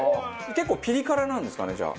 結構ピリ辛なんですかねじゃあ。